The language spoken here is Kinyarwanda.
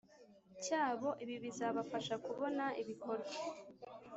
cyabo Ibi bizafasha kubona ibikorwa